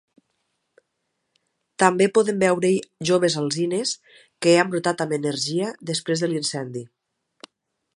També podem veure-hi joves alzines que han brotat amb energia després de l'incendi.